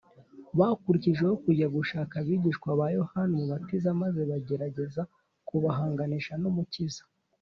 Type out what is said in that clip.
bakurikijeho kujya gushaka abigishwa ba yohana umubatiza maze bagerageza kubahanganisha n’umukiza